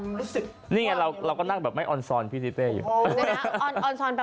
สวัสดีครับสวัสดีครับ